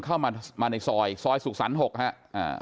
เข้ามาในซอยซอยสุขสรรค์๖ครับ